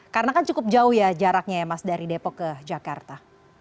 karena kan cukup jauh ya jaraknya ya mas dari depok ke jakarta